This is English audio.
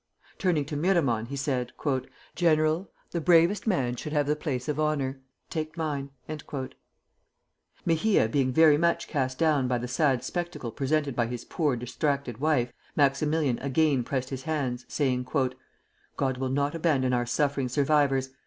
Turning to Miramon, he said: "General, the bravest man should have the place of honor. Take mine." Mejia being very much cast down by the sad spectacle presented by his poor, distracted wife, Maximilian again pressed his hands, saying: "God will not abandon our suffering survivors.